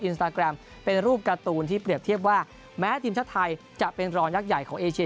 อินสตาแกรมเป็นรูปการ์ตูนที่เปรียบเทียบว่าแม้ทีมชาติไทยจะเป็นรองยักษ์ใหญ่ของเอเชีย